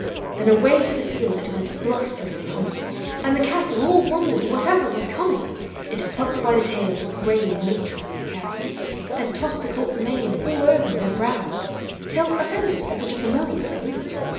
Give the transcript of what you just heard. Then away to the field it went blustering and humming, And the cattle all wondered whatever was coming; It plucked by the tails the grave matronly cows, And tossed the colts' manes all over their brows, Till, offended at such a familiar salute.